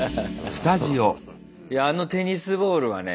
いやあのテニスボールはね